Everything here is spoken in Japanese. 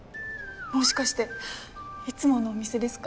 もしかしていつものお店ですか？